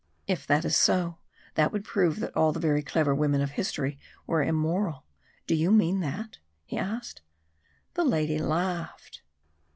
"If this is so, that would prove that all the very clever women of history were immoral do you mean that?" he asked. The lady laughed.